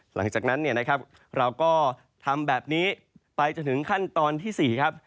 หลังจากนั้นเราก็ทำแบบนี้ไปจนถึงขั้นตอนที่๔ครับ